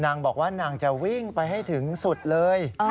นางบอกว่านางจะวิ่งไปให้ถึงสุดเลย